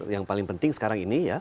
yang paling penting sekarang ini ya